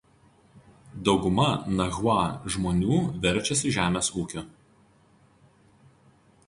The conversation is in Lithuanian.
Dauguma nahua žmonių verčiasi žemės ūkiu.